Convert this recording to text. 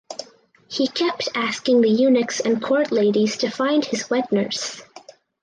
He kept asking the eunuchs and court ladies to find his wet nurse.